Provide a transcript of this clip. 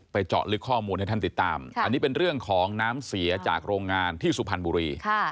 เจาะลึกข้อมูลให้ท่านติดตามอันนี้เป็นเรื่องของน้ำเสียจากโรงงานที่สุพรรณบุรี